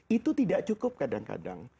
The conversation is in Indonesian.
itu tidak cukup kadang kadang